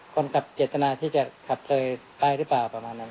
คนขับเจตนาที่จะขับเลยไปหรือเปล่าประมาณนั้น